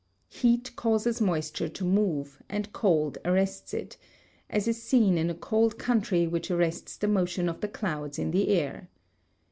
Heat causes moisture to move, and cold arrests it; as is seen in a cold country which arrests the motion of the clouds in the air.